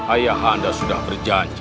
ayah anda sudah berjanji